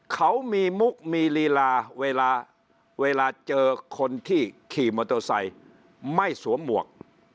เขามีมุกมีลีลาเวลาเวลาเจอคนที่ขี่มอเตอร์ไซค์ไม่สวมหมวก